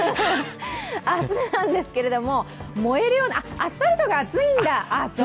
明日なんですけれども燃えるようなあっ、アスファルトが熱いんだ！